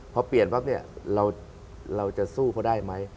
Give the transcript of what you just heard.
พอเปลี่ยนเราจะสู้พอได้ไหม